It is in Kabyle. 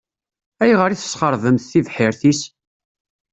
Ayɣer i tesxeṛbemt tibḥirt-is?